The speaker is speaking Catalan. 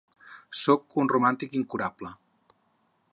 Soc un romàntic incurable.